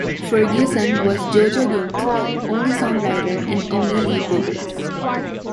Ferguson was Jo Jo Gunne's only songwriter and only lead vocalist.